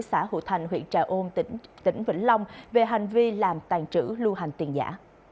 xã hữu thành huyện trà ôn tỉnh vĩnh long về hành vi làm tàn trữ lưu hành tiền giả